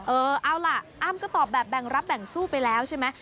เออเอาล่ะอ้ำก็ตอบแบบแบ่งรับแบ่งสู้ไปแล้วใช่ไหม